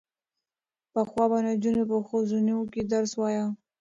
پخوا به نجونو په ښوونځیو کې درس وايه.